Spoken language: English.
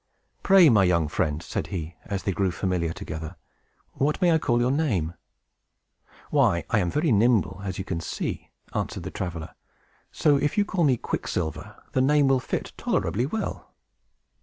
"Pray, my young friend," said he, as they grew familiar together, "what may I call your name?" "Why, I am very nimble, as you see," answered the traveler. "So, if you call me Quicksilver, the name will fit tolerably well."